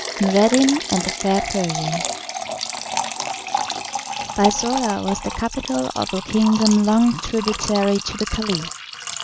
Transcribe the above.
Noureddin and the Fair Persian Balsora was the capital of a kingdom long tributary to the caliph.